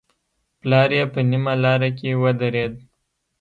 پلار يې په نيمه لاره کې ودرېد.